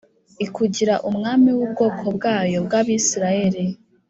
ikugira umwami w’ubwoko bwayo bw’Abisirayeli,